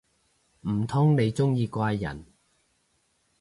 唔通你鍾意怪人